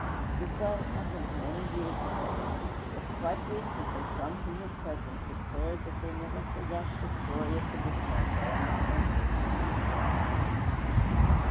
This all happened many years ago; but quite recently some who were present declared that they never forgot the story of the bookmarker and the comfort that it brought.